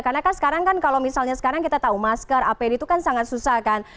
karena kan sekarang kan kalau misalnya sekarang kita tahu masker apd itu kan sangat susah kan